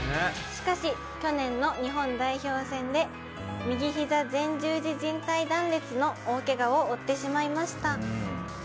「しかし去年の日本代表戦で右膝前十字靱帯断裂の大ケガを負ってしまいました」